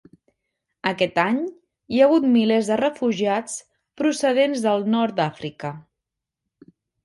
Aquest any hi ha hagut milers de refugiats procedents del Nord d'Àfrica.